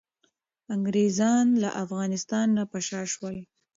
انګریزان له افغانستان نه په شا شول.